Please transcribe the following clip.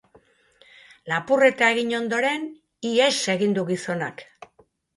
Lapurreta egin ondoren, ihes egin du gizonak.